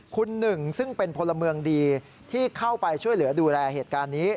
คุณหนึ่งซึ่งเป็นพลเมืองดีที่เข้าไปช่วยเหลือดูแลเหตุการณ์นี้